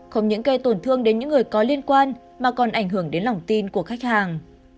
không những gây tổn thương đến những người có liên quan mà còn ảnh hưởng đến lòng tin của khách hàng